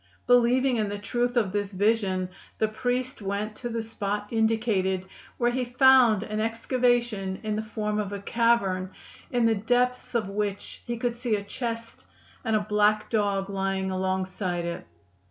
Believing in the truth of this vision, the priest went to the spot indicated, where he found an excavation in the form of a cavern, in the depths of which he could see a chest and a black dog lying alongside it.